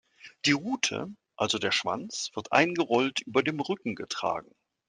Die Rute, also der Schwanz, wird eingerollt über dem Rücken getragen.